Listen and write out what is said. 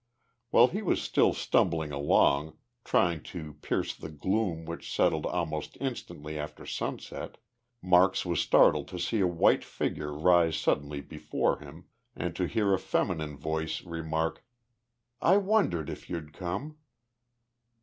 While he was still stumbling along, trying to pierce the gloom which settled almost instantly after sunset, Marks was startled to see a white figure rise suddenly before him and to hear a feminine voice remark, "I wondered if you'd come."